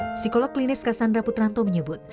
psikolog klinis cassandra putranto menyebut